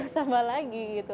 sampah lagi gitu